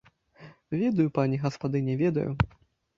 Ведаю, пані гаспадыня, ведаю.